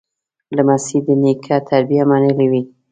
لمسی د نیکه تربیه منلې وي.